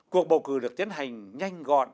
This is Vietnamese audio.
cuộc bầu cử được tiến hành nhanh gọn